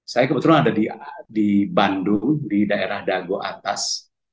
saya kebetulan ada di bandung di daerah dago atas